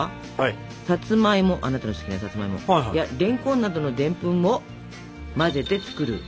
さつまいもあなたの好きなさつまいもやれんこんなどのでんぷんを混ぜて作るものがわらび餅粉。